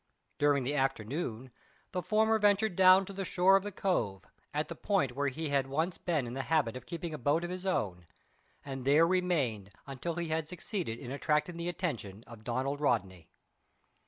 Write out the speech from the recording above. During the afternoon the former ventured down to the shore of the cove, at the point where he had once been in the habit of keeping a boat of his own, and there remained until he had succeeded in attracting the attention of Donald Rodney.